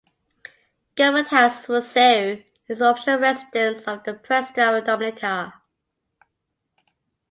Government House, Roseau is the official residence of the President of Dominica.